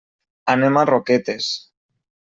Anem a Roquetes.